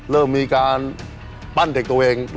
เริ่มมีการปั้นเด็กตัวเอง